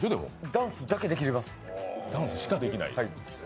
ダンスだけできます。